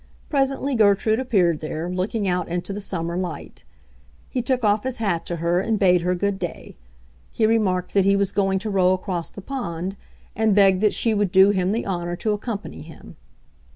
Presently Gertrude appeared there, looking out into the summer light. He took off his hat to her and bade her good day; he remarked that he was going to row across the pond, and begged that she would do him the honor to accompany him.